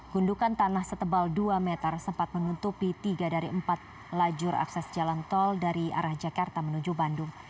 gundukan tanah setebal dua meter sempat menutupi tiga dari empat lajur akses jalan tol dari arah jakarta menuju bandung